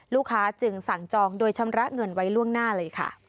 จึงสั่งจองโดยชำระเงินไว้ล่วงหน้าเลยค่ะ